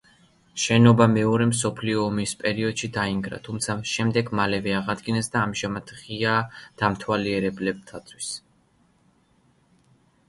შენობა მეორე მსოფლიო ომის პერიოდში დაინგრა, თუმცა შემდეგ მალევე აღადგინეს და ამჟამად ღიაა დამთვალიერებელთათვის.